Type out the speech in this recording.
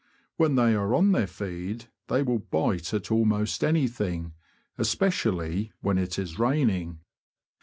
When they are on their feed they will bite at almost anything, especially when it is raining.